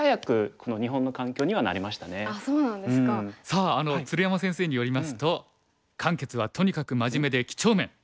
さあ鶴山先生によりますと「漢傑はとにかく真面目で几帳面。